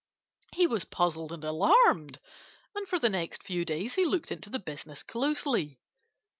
He was puzzled and alarmed, and for the next few days he looked into the business closely.